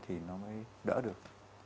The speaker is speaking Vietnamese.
thì nó mới đỡ được